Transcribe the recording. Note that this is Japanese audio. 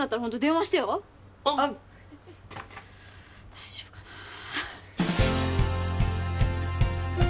大丈夫かなぁ。